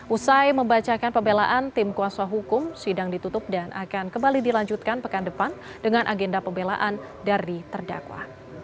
usai membacakan pembelaan tim kuasa hukum sidang ditutup dan akan kembali dilanjutkan pekan depan dengan agenda pembelaan dari terdakwa